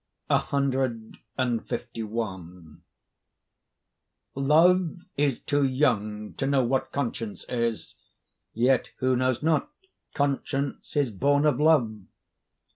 CLI Love is too young to know what conscience is, Yet who knows not conscience is born of love?